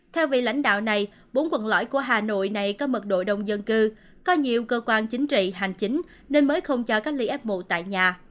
theo vị lãnh đạo này bốn quận lõi của hà nội này có mật độ đông dân cư có nhiều cơ quan chính trị hành chính nên mới không cho cách ly f một tại nhà